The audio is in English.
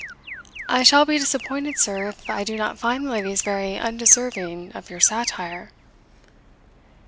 "I shall be disappointed, sir, if I do not find the ladies very undeserving of your satire."